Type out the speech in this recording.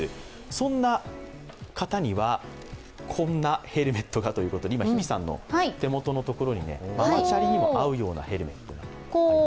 そんな方には、こんなヘルメットがということで、今、日比さんの手元にママチャリにも合うようなヘルメットがあります。